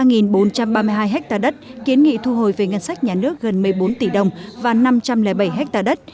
ba bốn trăm ba mươi hai ha đất kiến nghị thu hồi về ngân sách nhà nước gần một mươi bốn tỷ đồng và năm trăm linh bảy ha đất